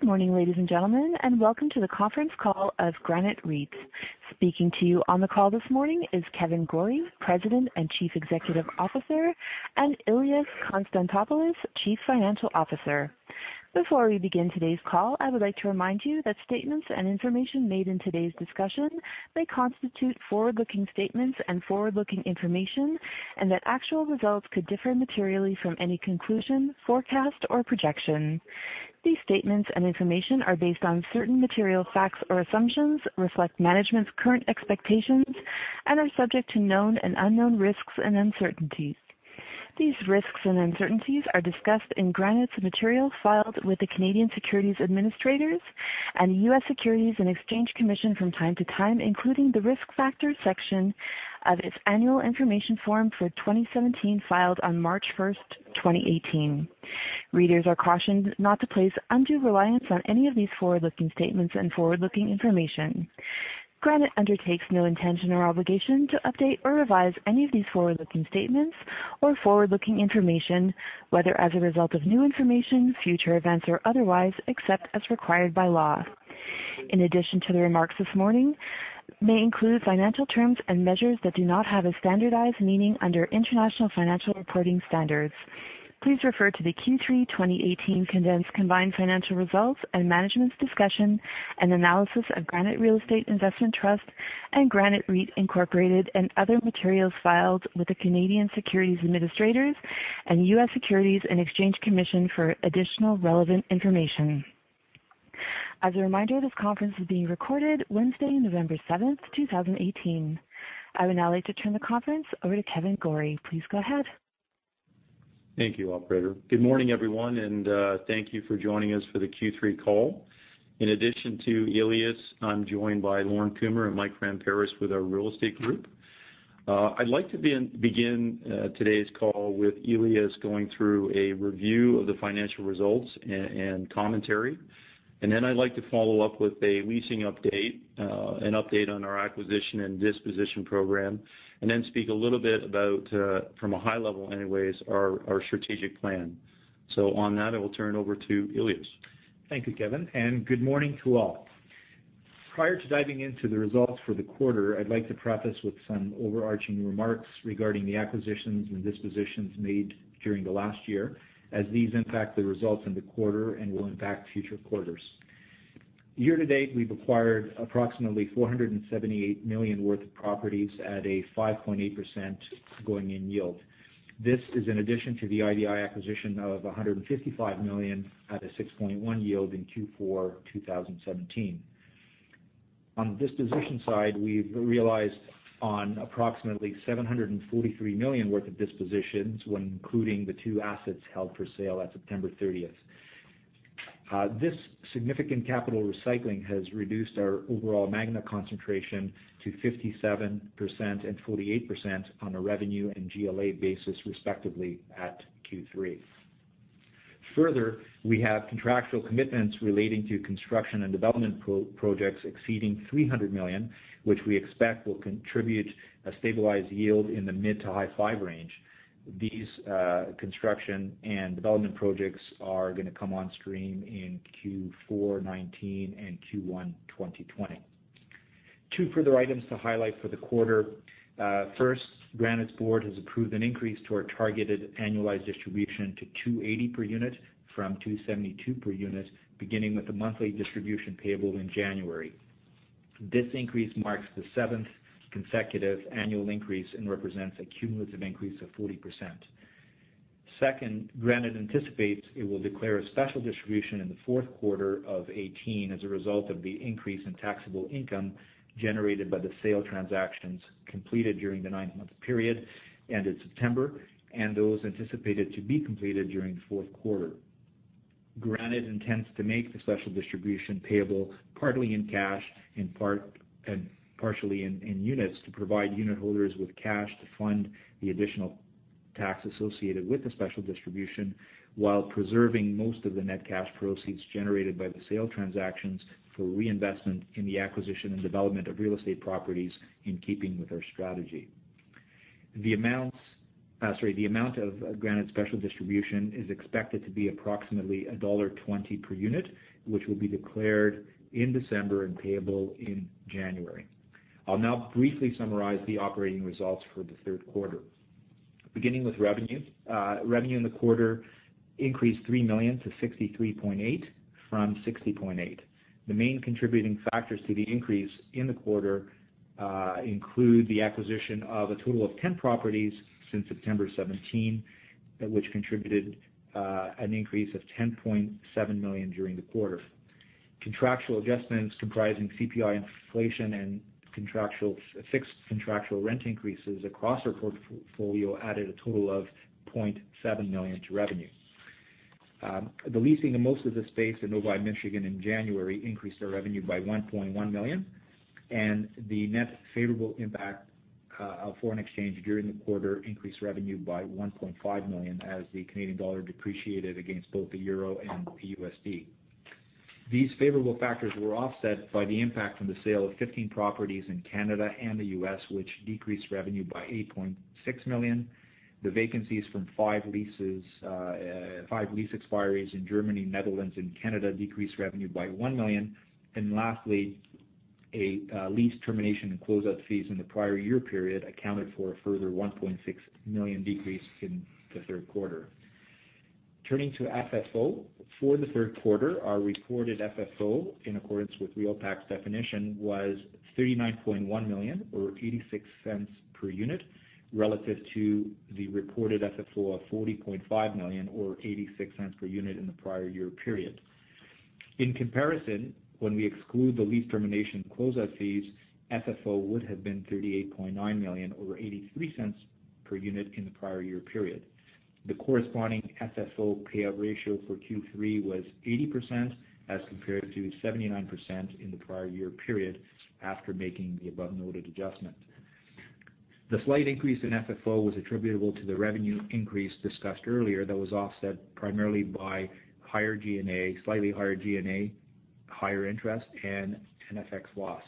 Good morning, ladies and gentlemen, and welcome to the conference call of Granite REIT. Speaking to you on the call this morning is Kevan Gorrie, President and Chief Executive Officer, and Ilias Konstantopoulos, Chief Financial Officer. Before we begin today's call, I would like to remind you that statements and information made in today's discussion may constitute forward-looking statements and forward-looking information, and that actual results could differ materially from any conclusion, forecast, or projection. These statements and information are based on certain material facts or assumptions, reflect management's current expectations, and are subject to known and unknown risks and uncertainties. These risks and uncertainties are discussed in Granite's material filed with the Canadian Securities Administrators and the U.S. Securities and Exchange Commission from time to time, including the Risk Factors section of its Annual Information Form for 2017, filed on March 1st, 2018. Readers are cautioned not to place undue reliance on any of these forward-looking statements and forward-looking information. Granite undertakes no intention or obligation to update or revise any of these forward-looking statements or forward-looking information, whether as a result of new information, future events, or otherwise, except as required by law. In addition to the remarks this morning, may include financial terms and measures that do not have a standardized meaning under international financial reporting standards. Please refer to the Q3 2018 condensed combined financial results and management's discussion and analysis of Granite Real Estate Investment Trust and Granite REIT Incorporated and other materials filed with the Canadian Securities Administrators and U.S. Securities and Exchange Commission for additional relevant information. As a reminder, this conference is being recorded Wednesday, November 7th, 2018. I would now like to turn the conference over to Kevan Gorrie. Please go ahead. Thank you, operator. Good morning, everyone, and thank you for joining us for the Q3 call. In addition to Ilias, I'm joined by Lorne Kumer and Michael Ramparas with our real estate group. I'd like to begin today's call with Ilias going through a review of the financial results and commentary. Then I'd like to follow up with a leasing update, an update on our acquisition and disposition program, and then speak a little bit about, from a high level anyways, our strategic plan. On that, I will turn it over to Ilias. Thank you, Kevan, and good morning to all. Prior to diving into the results for the quarter, I'd like to preface with some overarching remarks regarding the acquisitions and dispositions made during the last year, as these impact the results in the quarter and will impact future quarters. Year-to-date, we've acquired approximately 478 million worth of properties at a 5.8% going-in yield. This is in addition to the IDI acquisition of 155 million at a 6.1% yield in Q4 2017. On the disposition side, we've realized on approximately 743 million worth of dispositions, when including the two assets held for sale at September 30th. This significant capital recycling has reduced our overall Magna concentration to 57% and 48% on a revenue and GLA basis, respectively, at Q3. Further, we have contractual commitments relating to construction and development projects exceeding 300 million, which we expect will contribute a stabilized yield in the mid to high 5% range. These construction and development projects are going to come on stream in Q4 2019 and Q1 2020. Two further items to highlight for the quarter. First, Granite's Board has approved an increase to our targeted annualized distribution to 2.80 per unit from 2.72 per unit, beginning with the monthly distribution payable in January. This increase marks the seventh consecutive annual increase and represents a cumulative increase of 40%. Second, Granite anticipates it will declare a special distribution in the fourth quarter of 2018 as a result of the increase in taxable income generated by the sale transactions completed during the nine-month period ended September, and those anticipated to be completed during the fourth quarter. Granite intends to make the special distribution payable partly in cash and partially in units to provide unit holders with cash to fund the additional tax associated with the special distribution while preserving most of the net cash proceeds generated by the sale transactions for reinvestment in the acquisition and development of real estate properties in keeping with our strategy. The amount of Granite's special distribution is expected to be approximately dollar 1.20 per unit, which will be declared in December and payable in January. I'll now briefly summarize the operating results for the third quarter. Beginning with revenue. Revenue in the quarter increased 3 million to 63.8 million from 60.8 million. The main contributing factors to the increase in the quarter include the acquisition of a total of 10 properties since September 2017, which contributed an increase of 10.7 million during the quarter. Contractual adjustments comprising CPI inflation and fixed contractual rent increases across our portfolio added a total of 0.7 million to revenue. The leasing of most of the space in Novi, Michigan in January increased our revenue by 1.1 million, and the net favorable impact of foreign exchange during the quarter increased revenue by 1.5 million as the Canadian dollar depreciated against both the EUR and the USD. These favorable factors were offset by the impact from the sale of 15 properties in Canada and the U.S., which decreased revenue by CA D 8.6 million. The vacancies from five lease expiries in Germany, Netherlands, and Canada decreased revenue by 1 million. Lastly, a lease termination and close-out fees in the prior year period accounted for a further 1.6 million decrease in the third quarter. Turning to FFO. For the third quarter, our reported FFO, in accordance with REALPAC's definition, was 39.1 million, or 0.86 per unit, relative to the reported FFO of 40.5 million or 0.86 per unit in the prior year period. In comparison, when we exclude the lease termination close-out fees, FFO would have been 38.9 million, or 0.83 per unit in the prior year period. The corresponding FFO payout ratio for Q3 was 80%, as compared to 79% in the prior year period, after making the above-noted adjustment. The slight increase in FFO was attributable to the revenue increase discussed earlier that was offset primarily by slightly higher G&A, higher interest, and FX loss.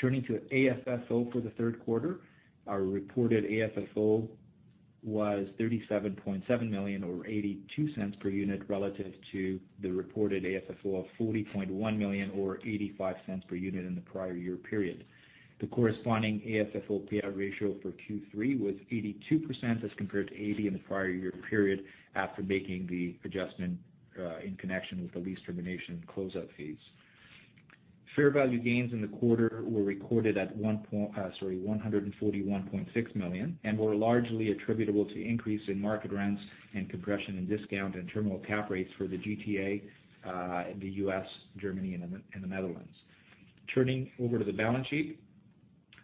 Turning to AFFO for the third quarter, our reported AFFO was 37.7 million or 0.82 per unit relative to the reported AFFO of 40.1 million or 0.85 per unit in the prior year period. The corresponding AFFO payout ratio for Q3 was 82%, as compared to 80% in the prior year period, after making the adjustment in connection with the lease termination close-out fees. Fair value gains in the quarter were recorded at 141.6 million and were largely attributable to increase in market rents and compression in discount and terminal cap rates for the GTA, the U.S., Germany, and the Netherlands. Turning over to the balance sheet.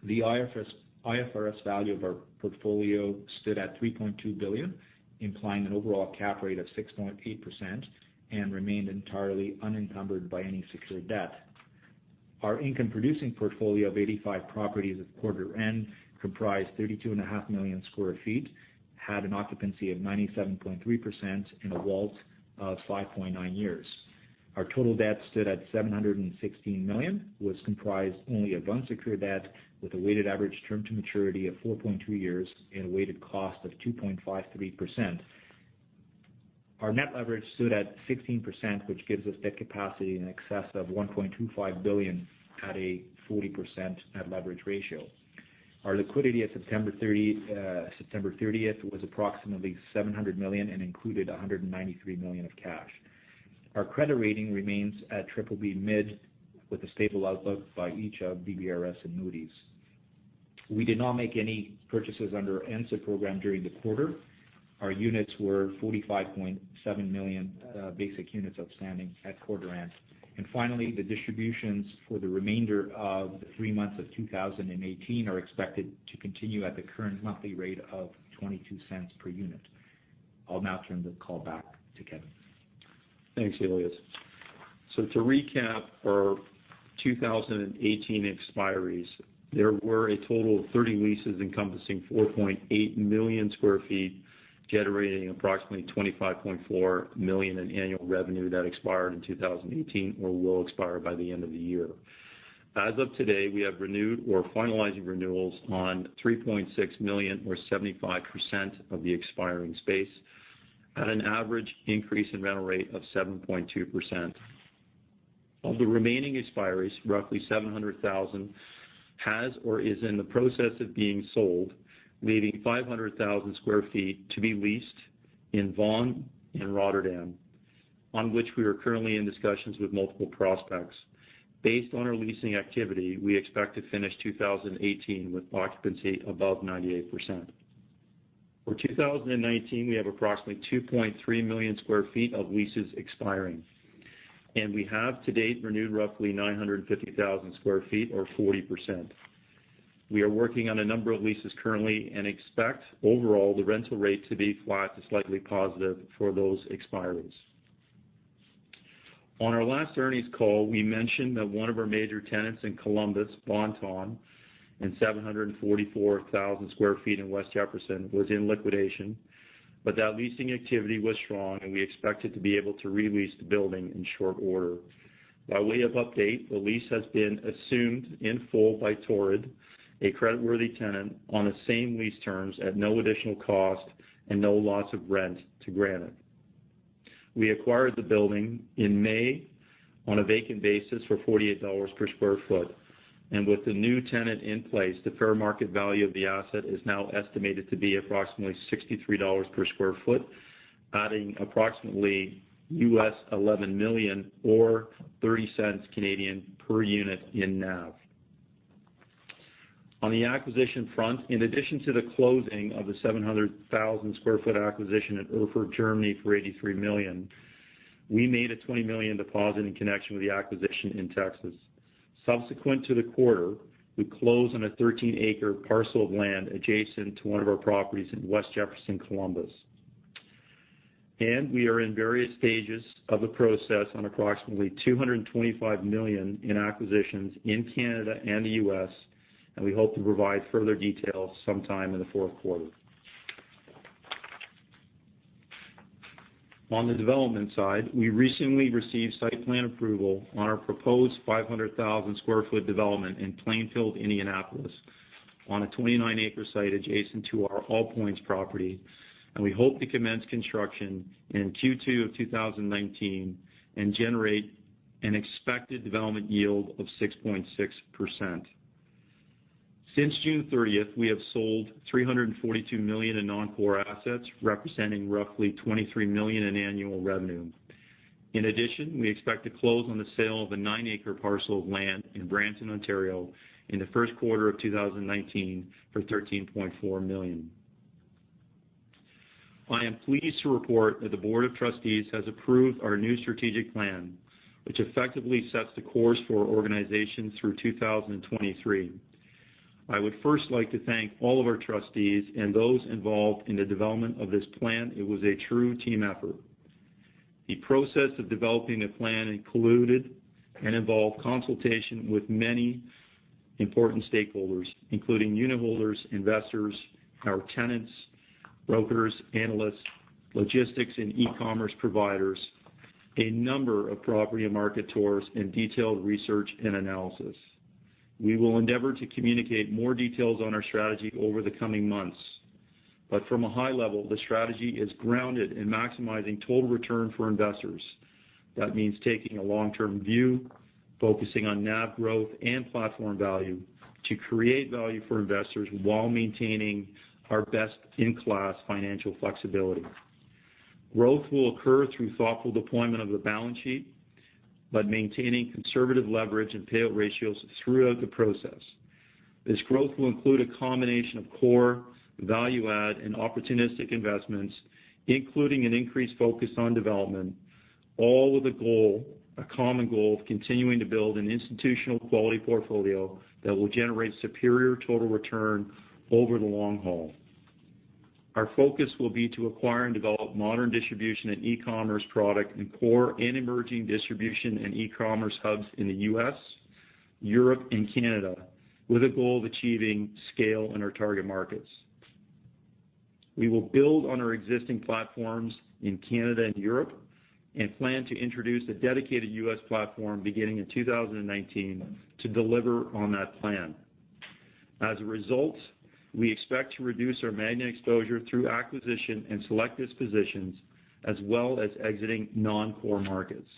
The IFRS value of our portfolio stood at 3.2 billion, implying an overall cap rate of 6.8%, and remained entirely unencumbered by any secured debt. Our income-producing portfolio of 85 properties at quarter end comprised 32.5 million square feet, had an occupancy of 97.3%, and a WALT of 5.9 years. Our total debt stood at 716 million, was comprised only of unsecured debt, with a weighted average term to maturity of 4.2 years and a weighted cost of 2.53%. Our net leverage stood at 16%, which gives us debt capacity in excess of 1.25 billion at a 40% net leverage ratio. Our liquidity at September 30 was approximately 700 million and included 193 million of cash. Our credit rating remains at BBB mid with a stable outlook by each of DBRS and Moody's. We did not make any purchases under our NCIB program during the quarter. Our units were 45.7 million basic units outstanding at quarter end. And finally, the distributions for the remainder of the three months of 2018 are expected to continue at the current monthly rate of 0.22 per unit. I'll now turn the call back to Kevan. Thanks, Ilias. To recap our 2018 expiries, there were a total of 30 leases encompassing 4.8 million square feet, generating approximately 25.4 million in annual revenue that expired in 2018 or will expire by the end of the year. As of today, we have renewed or are finalizing renewals on 3.6 million, or 75%, of the expiring space at an average increase in rental rate of 7.2%. Of the remaining expiries, roughly 700,000 has or is in the process of being sold, leaving 500,000 sq ft to be leased in Vaughan and Rotterdam, on which we are currently in discussions with multiple prospects. Based on our leasing activity, we expect to finish 2018 with occupancy above 98%. For 2019, we have approximately 2.3 million square feet of leases expiring, and we have to date renewed roughly 950,000 sq ft or 40%. We are working on a number of leases currently and expect overall the rental rate to be flat to slightly positive for those expiries. On our last earnings call, we mentioned that one of our major tenants in Columbus, Bon-Ton, in 744,000 sq ft in West Jefferson, was in liquidation, but that leasing activity was strong and we expected to be able to re-lease the building in short order. By way of update, the lease has been assumed in full by Torrid, a creditworthy tenant, on the same lease terms at no additional cost and no loss of rent to Granite. We acquired the building in May on a vacant basis for 48 dollars per square foot. With the new tenant in place, the fair market value of the asset is now estimated to be approximately 63 dollars per square foot, adding approximately $11 million, or 0.30 per unit in NAV. On the acquisition front, in addition to the closing of the 700,000 sq ft acquisition at Erfurt, Germany for 83 million, we made a 20 million deposit in connection with the acquisition in Texas. Subsequent to the quarter, we closed on a 13-acre parcel of land adjacent to one of our properties in West Jefferson, Columbus. We are in various stages of the process on approximately 225 million in acquisitions in Canada and the U.S., and we hope to provide further details sometime in the fourth quarter. On the development side, we recently received site plan approval on our proposed 500,000 sq ft development in Plainfield, Indianapolis, on a 29-acre site adjacent to our Allpoints property. We hope to commence construction in Q2 of 2019 and generate an expected development yield of 6.6%. Since June 30th, we have sold 342 million in non-core assets, representing roughly 23 million in annual revenue. In addition, we expect to close on the sale of a nine-acre parcel of land in Brampton, Ontario, in the first quarter of 2019 for 13.4 million. I am pleased to report that the Board of Trustees has approved our new strategic plan, which effectively sets the course for our organization through 2023. I would first like to thank all of our trustees and those involved in the development of this plan. It was a true team effort. The process of developing the plan included and involved consultation with many important stakeholders, including unitholders, investors, our tenants, brokers, analysts, logistics and e-commerce providers, a number of property and market tours, and detailed research and analysis. We will endeavor to communicate more details on our strategy over the coming months. From a high level, the strategy is grounded in maximizing total return for investors. That means taking a long-term view, focusing on NAV growth and platform value to create value for investors while maintaining our best-in-class financial flexibility. Growth will occur through thoughtful deployment of the balance sheet, but maintaining conservative leverage and payout ratios throughout the process. This growth will include a combination of core, value-add, and opportunistic investments, including an increased focus on development, all with a common goal of continuing to build an institutional quality portfolio that will generate superior total return over the long haul. Our focus will be to acquire and develop modern distribution and e-commerce product in core and emerging distribution and e-commerce hubs in the U.S., Europe, and Canada, with a goal of achieving scale in our target markets. We will build on our existing platforms in Canada and Europe, and plan to introduce a dedicated U.S. platform beginning in 2019 to deliver on that plan. As a result, we expect to reduce our Magna exposure through acquisition and selective dispositions, as well as exiting non-core markets.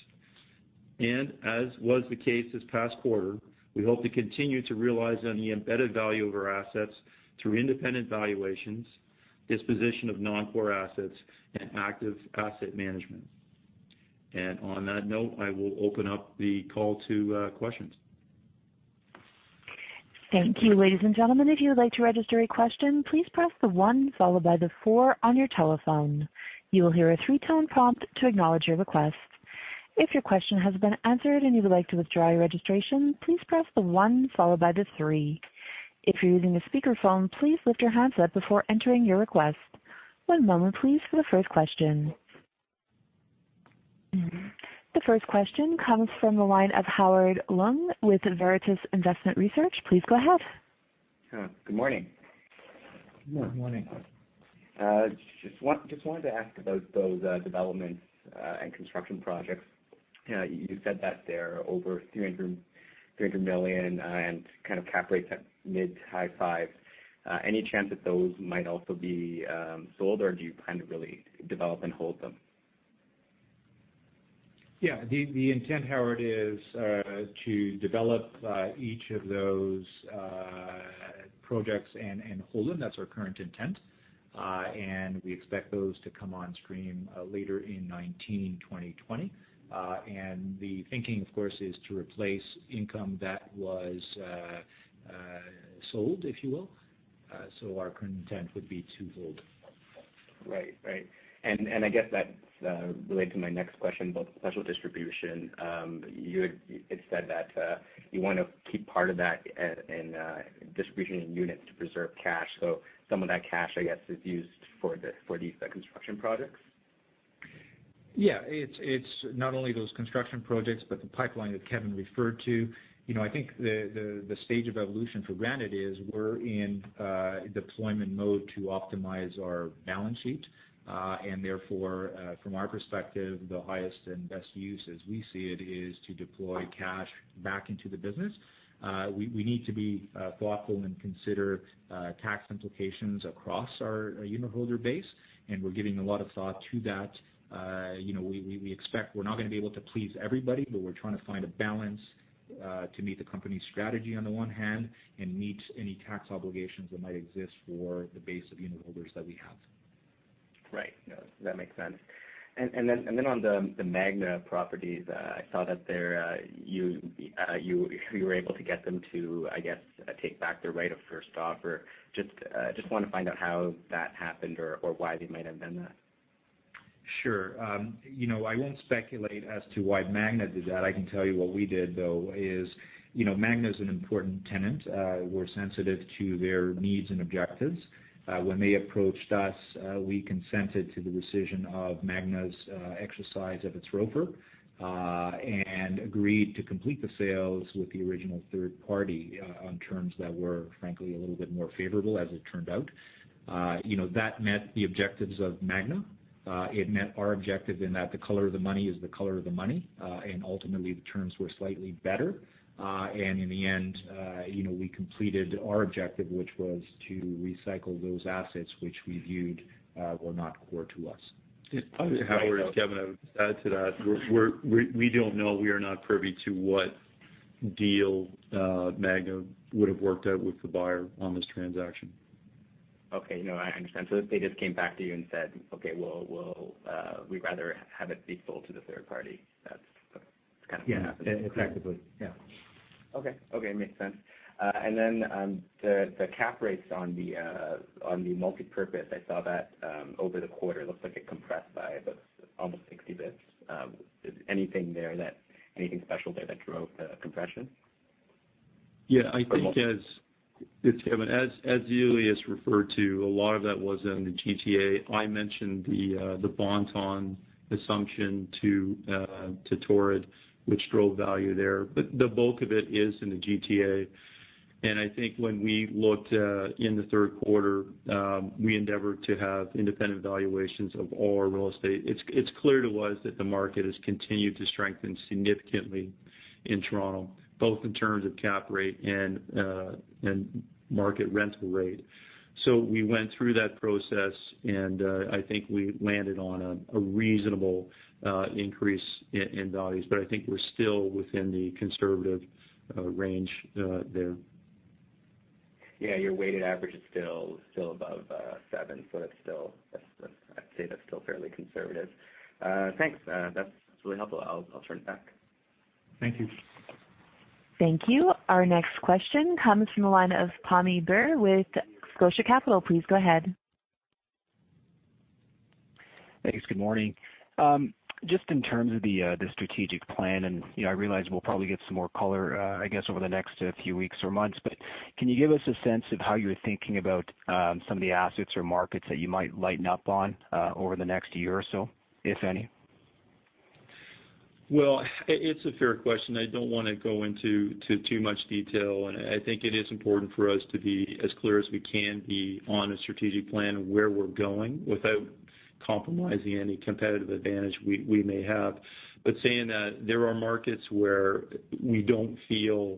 As was the case this past quarter, we hope to continue to realize on the embedded value of our assets through independent valuations, disposition of non-core assets, and active asset management. On that note, I will open up the call to questions. Thank you. Ladies and gentlemen, if you would like to register a question, please press the one followed by the four on your telephone. You will hear a three-tone prompt to acknowledge your request. If your question has been answered and you would like to withdraw your registration, please press the one followed by the three. If you are using a speakerphone, please lift your handset before entering your request. One moment please for the first question. The first question comes from the line of Howard Leung with Veritas Investment Research. Please go ahead. Good morning. Good morning. Just wanted to ask about those developments and construction projects. You said that they're over 300 million and kind of cap rates at mid to high 5s. Any chance that those might also be sold, or do you plan to really develop and hold them? Yeah. The intent, Howard, is to develop each of those projects and hold them. That's our current intent. We expect those to come on stream later in 2019, 2020. The thinking, of course, is to replace income that was sold, if you will. Our current intent would be to hold. Right. I guess that's related to my next question about the special distribution. You had said that you want to keep part of that in distribution units to preserve cash. Some of that cash, I guess, is used for these construction projects? Yeah. It's not only those construction projects, but the pipeline that Kevan referred to. I think the stage of evolution for Granite is we're in deployment mode to optimize our balance sheet. Therefore, from our perspective, the highest and best use as we see it is to deploy cash back into the business. We need to be thoughtful and consider tax implications across our unitholder base, and we're giving a lot of thought to that. We expect we're not going to be able to please everybody, but we're trying to find a balance to meet the company's strategy on the one hand, and meet any tax obligations that might exist for the base of unitholders that we have. Right. No, that makes sense. On the Magna properties, I saw that you were able to get them to, I guess take back their right of first offer. I just want to find out how that happened or why they might have done that. Sure. I won't speculate as to why Magna did that. I can tell you what we did, though, is Magna is an important tenant. We're sensitive to their needs and objectives. When they approached us, we consented to the decision of Magna's exercise of its ROFR. We agreed to complete the sales with the original third party on terms that were, frankly, a little bit more favorable as it turned out. That met the objectives of Magna. It met our objective in that the color of the money is the color of the money. Ultimately, the terms were slightly better. In the end, we completed our objective, which was to recycle those assets which we viewed were not core to us. Howard, it's Kevan. I would add to that. We don't know. We are not privy to what deal Magna would've worked out with the buyer on this transaction. Okay. No, I understand. They just came back to you and said, "Okay, we'd rather have it be sold to the third party." That's kind of what happened. Yeah. Effectively, yeah. Okay. Makes sense. The cap rates on the multipurpose, I saw that over the quarter. Looks like it compressed by about almost 60 basis points. Is anything special there that drove the compression? Yeah. It's Kevan. As Ilias referred to, a lot of that was in the GTA. I mentioned the Bon-Ton assumption to Torrid, which drove value there. The bulk of it is in the GTA. I think when we looked in the third quarter, we endeavored to have independent valuations of all our real estate. It's clear to us that the market has continued to strengthen significantly in Toronto, both in terms of cap rate and market rental rate. We went through that process, and I think we landed on a reasonable increase in values. I think we're still within the conservative range there. Yeah. Your weighted average is still above seven, I'd say that's still fairly conservative. Thanks. That's really helpful. I'll turn it back. Thank you. Thank you. Our next question comes from the line of Pammi Bir with Scotia Capital. Please go ahead. Thanks. Good morning. Just in terms of the strategic plan, and I realize we'll probably get some more color, I guess, over the next few weeks or months, but can you give us a sense of how you're thinking about some of the assets or markets that you might lighten up on over the next year or so, if any? Well, it's a fair question. I don't want to go into too much detail, and I think it is important for us to be as clear as we can be on a strategic plan of where we're going without compromising any competitive advantage we may have. Saying that, there are markets where we don't feel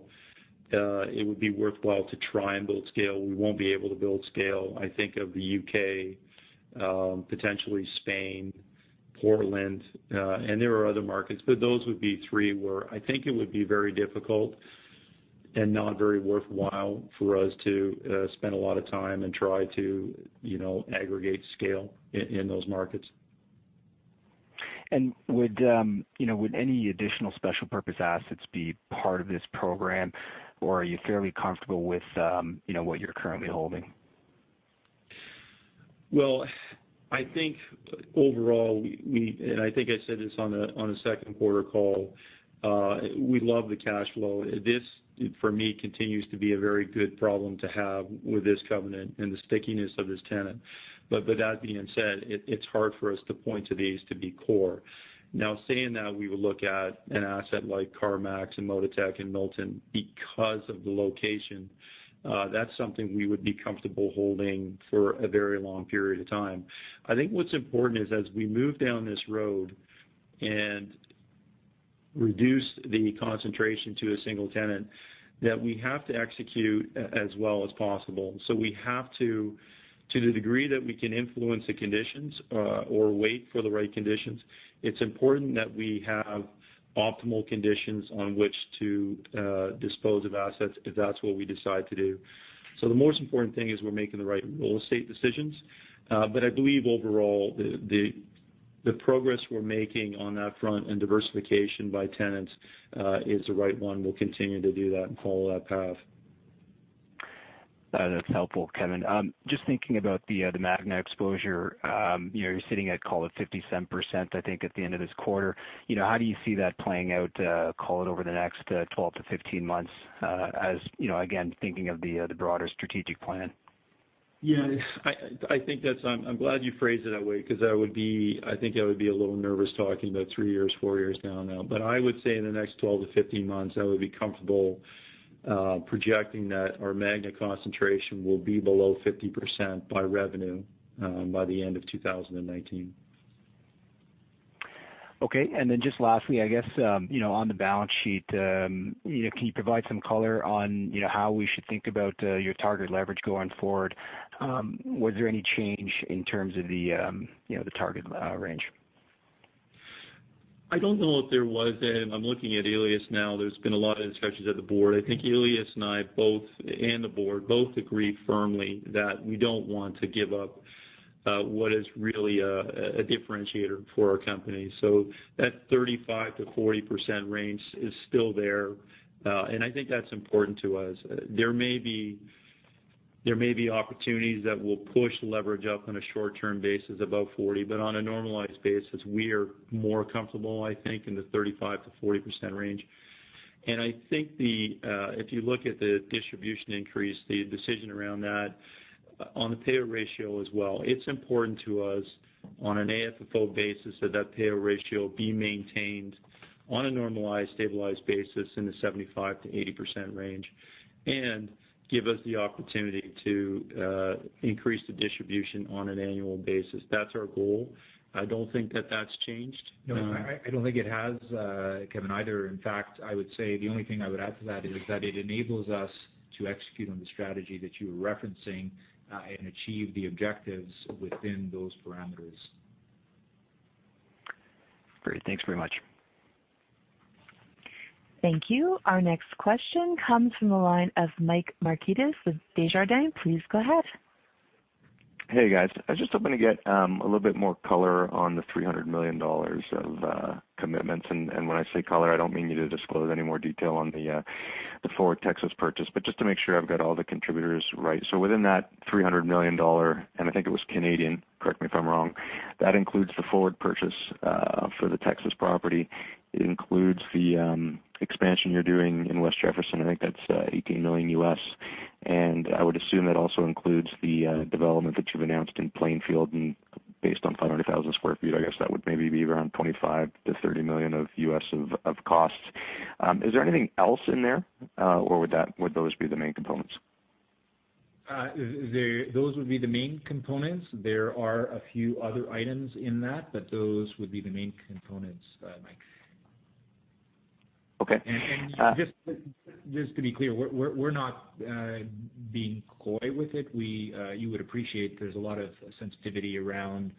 it would be worthwhile to try and build scale. We won't be able to build scale. I think of the U.K., potentially Spain, Portland, and there are other markets. Those would be three where I think it would be very difficult and not very worthwhile for us to spend a lot of time and try to aggregate scale in those markets. Would any additional special purpose assets be part of this program, or are you fairly comfortable with what you're currently holding? Well, I think overall, and I think I said this on the second quarter call, we love the cash flow. This, for me, continues to be a very good problem to have with this covenant and the stickiness of this tenant. That being said, it's hard for us to point to these to be core. Saying that, we would look at an asset like CarMax and Multimatic and Milton because of the location. That's something we would be comfortable holding for a very long period of time. I think what's important is as we move down this road and reduce the concentration to a single tenant, that we have to execute as well as possible. We have to the degree that we can influence the conditions or wait for the right conditions, it's important that we have optimal conditions on which to dispose of assets if that's what we decide to do. The most important thing is we're making the right real estate decisions. I believe overall, the progress we're making on that front and diversification by tenants, is the right one. We'll continue to do that and follow that path. That's helpful, Kevan. Just thinking about the Magna exposure. You're sitting at, call it, 57%, I think, at the end of this quarter. How do you see that playing out, call it, over the next 12-15 months, as, again, thinking of the broader strategic plan? I'm glad you phrased it that way, because I think I would be a little nervous talking about three years, four years down now. I would say in the next 12-15 months, I would be comfortable projecting that our Magna concentration will be below 50% by revenue by the end of 2019. Okay. Just lastly, I guess, on the balance sheet, can you provide some color on how we should think about your target leverage going forward? Was there any change in terms of the target range? I don't know if there was. I'm looking at Ilias now. There's been a lot of discussions at the Board. I think Ilias and I both, and the Board, both agree firmly that we don't want to give up what is really a differentiator for our company. That 35%-40% range is still there. I think that's important to us. There may be opportunities that will push leverage up on a short-term basis above 40, but on a normalized basis, we are more comfortable, I think, in the 35%-40% range. I think if you look at the distribution increase, the decision around that on the payout ratio as well, it's important to us on an AFFO basis that that payout ratio be maintained on a normalized, stabilized basis in the 75%-80% range and give us the opportunity to increase the distribution on an annual basis. That's our goal. I don't think that that's changed. No, I don't think it has, Kevan, either. In fact, I would say the only thing I would add to that is that it enables us to execute on the strategy that you were referencing and achieve the objectives within those parameters. Great. Thanks very much. Thank you. Our next question comes from the line of Mike Markidis with Desjardins. Please go ahead. Hey, guys. I was just hoping to get a little bit more color on the 300 million dollars of commitments. When I say color, I don't mean you to disclose any more detail on the forward Texas purchase, but just to make sure I've got all the contributors right. Within that 300 million dollar, and I think it was Canadian, correct me if I'm wrong, that includes the forward purchase for the Texas property. It includes the expansion you're doing in West Jefferson. I think that's 18 million. I would assume that also includes the development that you've announced in Plainfield and based on 500,000 sq ft, I guess that would maybe be around 25 million-30 million of costs. Is there anything else in there? Would those be the main components? Those would be the main components. There are a few other items in that, but those would be the main components, Mike. Okay. Just to be clear, we're not being coy with it. You would appreciate there's a lot of sensitivity around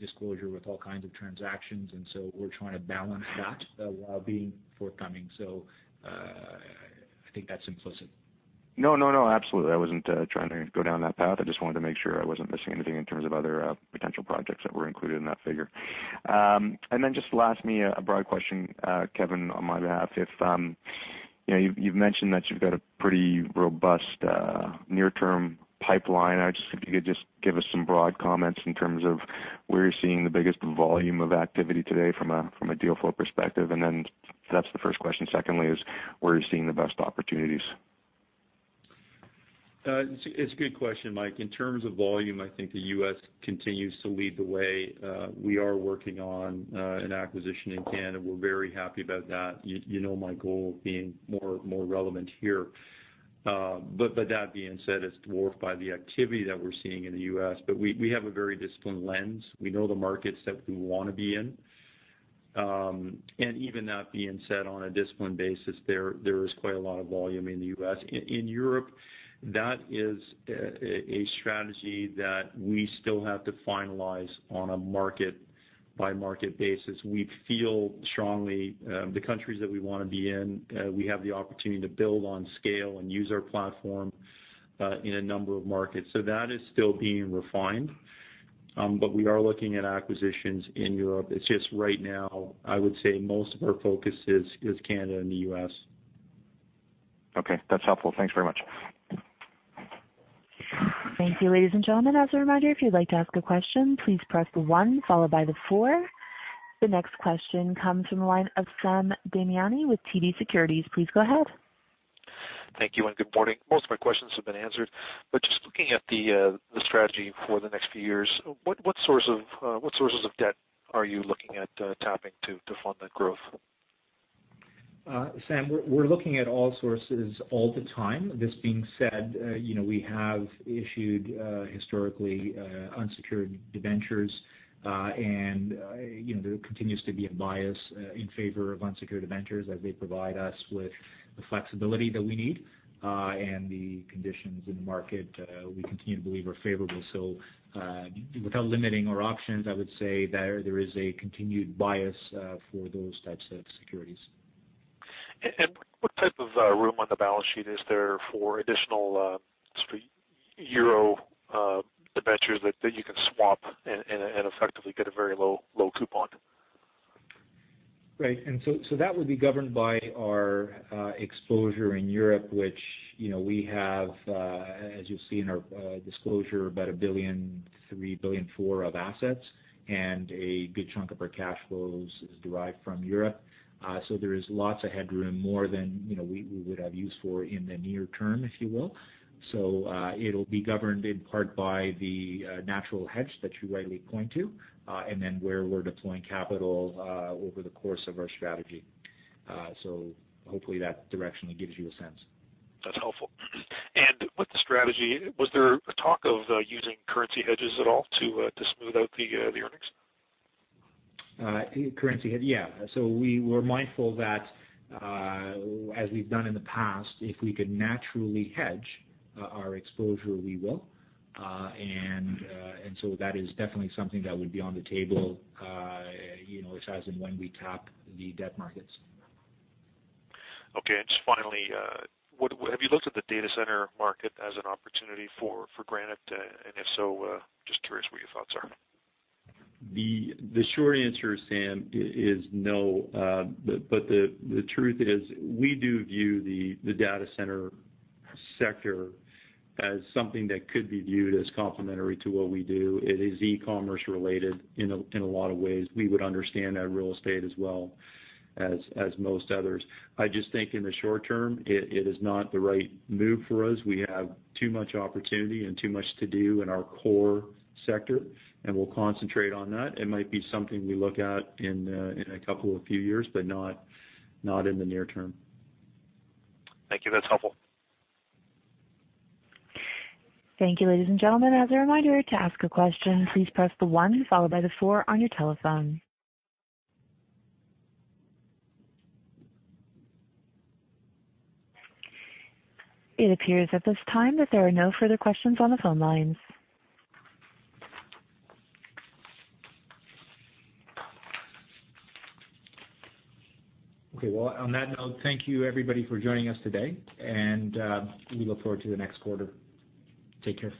disclosure with all kinds of transactions. We're trying to balance that while being forthcoming. I think that's implicit. No, absolutely. I wasn't trying to go down that path. I just wanted to make sure I wasn't missing anything in terms of other potential projects that were included in that figure. Just lastly, a broad question, Kevan, on my behalf. You've mentioned that you've got a pretty robust near-term pipeline. If you could just give us some broad comments in terms of where you're seeing the biggest volume of activity today from a deal flow perspective. That's the first question. Secondly is, where are you seeing the best opportunities? It's a good question, Mike. In terms of volume, I think the U.S. continues to lead the way. We are working on an acquisition in Canada. We're very happy about that. You know my goal being more relevant here. That being said, it's dwarfed by the activity that we're seeing in the U.S. We have a very disciplined lens. We know the markets that we want to be in. Even that being said, on a disciplined basis, there is quite a lot of volume in the U.S. In Europe, that is a strategy that we still have to finalize on a market-by-market basis. We feel strongly the countries that we want to be in. We have the opportunity to build on scale and use our platform in a number of markets. That is still being refined. We are looking at acquisitions in Europe. It's just right now, I would say most of our focus is Canada and the U.S. Okay. That's helpful. Thanks very much. Thank you, ladies and gentlemen. As a reminder, if you'd like to ask a question, please press the one followed by the four. The next question comes from the line of Sam Damiani with TD Securities. Please go ahead. Thank you, and good morning. Most of my questions have been answered, but just looking at the strategy for the next few years, what sources of debt are you looking at tapping to fund that growth? Sam, we are looking at all sources all the time. This being said, we have issued historically unsecured debentures. There continues to be a bias in favor of unsecured debentures as they provide us with the flexibility that we need. The conditions in the market, we continue to believe are favorable. Without limiting our options, I would say there is a continued bias for those types of securities. What type of room on the balance sheet is there for additional EUR debentures that you can swap and effectively get a very low coupon? Right. That would be governed by our exposure in Europe, which we have, as you will see in our disclosure, about 1 billion, 3 billion, 4 billion of assets, and a good chunk of our cash flows is derived from Europe. There is lots of headroom, more than we would have use for in the near-term, if you will. It will be governed in part by the natural hedge that you rightly point to, and then where we are deploying capital over the course of our strategy. Hopefully that directionally gives you a sense. That is helpful. With the strategy, was there talk of using currency hedges at all to smooth out the earnings? Currency hedge. We were mindful that, as we've done in the past, if we could naturally hedge our exposure, we will. That is definitely something that would be on the table as and when we tap the debt markets. Okay. Just finally, have you looked at the data center market as an opportunity for Granite? If so, just curious what your thoughts are. The short answer, Sam, is no. The truth is we do view the data center sector as something that could be viewed as complementary to what we do. It is e-commerce related in a lot of ways. We would understand that real estate as well as most others. I just think in the short-term, it is not the right move for us. We have too much opportunity and too much to do in our core sector, we'll concentrate on that. It might be something we look at in a couple of few years, but not in the near-term. Thank you. That's helpful. Thank you, ladies and gentlemen. As a reminder, to ask a question, please press the one followed by the four on your telephone. It appears at this time that there are no further questions on the phone lines. Okay. Well, on that note, thank you everybody for joining us today, and we look forward to the next quarter. Take care.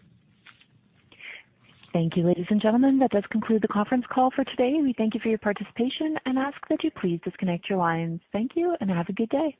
Thank you, ladies and gentlemen. That does conclude the conference call for today. We thank you for your participation and ask that you please disconnect your lines. Thank you, and have a good day.